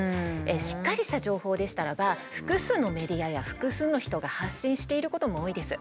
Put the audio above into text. しっかりした情報でしたらば複数のメディアや複数の人が発信していることも多いです。